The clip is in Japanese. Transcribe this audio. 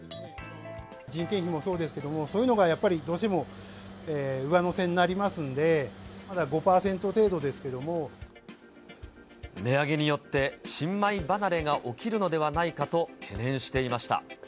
人件費もそうですけども、そういうのがやっぱり、どうしても上乗せになりますんで、値上げによって、新米離れが起きるのではないかと懸念していました。